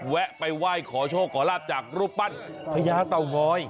แวะไปไหว้ขอโชคขอลาบจากรูปปั้นพญาเต่างอย